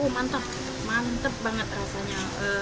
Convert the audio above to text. mantap mantap banget rasanya